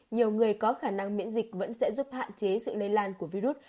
nhiều người có khả năng miễn dịch vẫn sẽ giúp hạn chế sự lây lan của virus